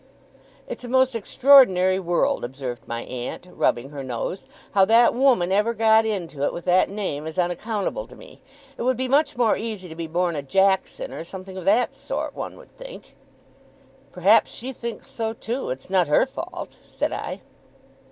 'It's a most extraordinary world,' observed my aunt, rubbing her nose; 'how that woman ever got into it with that name, is unaccountable to me. It would be much more easy to be born a Jackson, or something of that sort, one would think.' 'Perhaps she thinks so, too; it's not her fault,' said I.